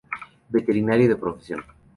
Veterinario de profesión.